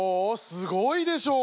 すごいでしょう。